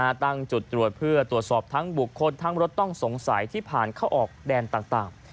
ตั้งจุดตรวจเพื่อตรวจสอบทั้งบุคคลทั้งรถต้องสงสัยที่ผ่านเข้าออกแดนต่าง